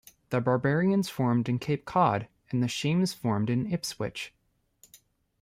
The Barbarians formed in Cape Cod and The Shames formed in Ipswich.